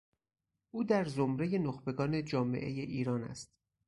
او در زمرهی نخبگان جامعهی ایران است.